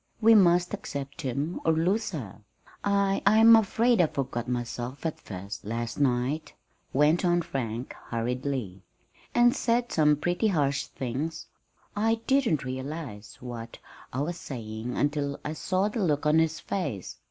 We must accept him or lose her. I I'm afraid I forgot myself at first, last night," went on Frank, hurriedly, "and said some pretty harsh things. I didn't realize what I was saying until I saw the look on his face.